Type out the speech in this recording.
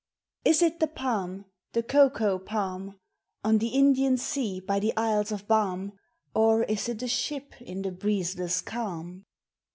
Is it the palm, the cocoa palm. On the Indian Sea, by the isles of balm? Or is it a ship in the breezeless calm?